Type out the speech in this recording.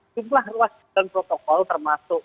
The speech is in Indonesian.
jumlah ruas dan protokol termasuk